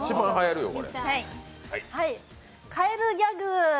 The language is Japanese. かえるギャグ。